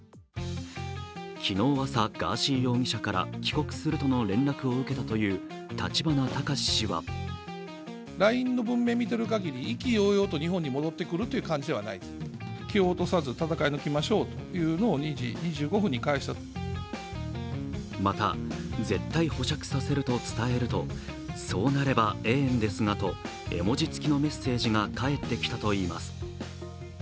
昨日朝、ガーシー容疑者から帰国するとの連絡を受けたという立花孝志氏はまた、絶対保釈させると伝えるとそーなれば、ええんですが！！と、絵文字付きのメッセージが返ってきたといいます。